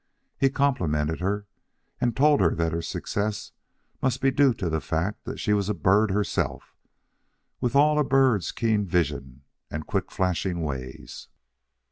He complimented her and told her that her success must be due to the fact that she was a bird herself, with all a bird's keen vision and quick flashing ways.